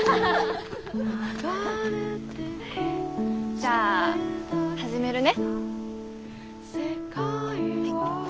じゃあ始めるね。